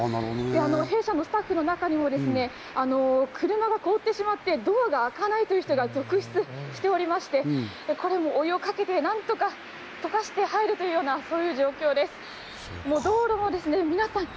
弊社のスタッフの中にもですね、車が凍ってしまって、ドアが開かないという人が続出しておりまして、お湯をかけてなんとか溶かして入るというような状況です。